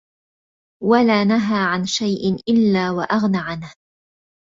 وَلَا نَهَى عَنْ شَيْءٍ إلَّا وَأَغْنَى عَنْهُ